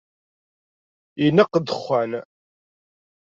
Ineqq dexxan.